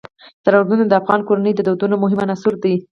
سرحدونه د افغان کورنیو د دودونو مهم عنصر دی.